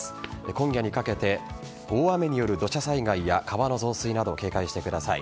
今夜にかけて大雨による土砂災害や川の増水など警戒してください。